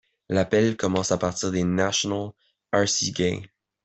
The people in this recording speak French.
L'appel commence à partir de National Arcigay.